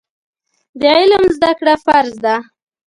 د علم زده کړه فرض ده.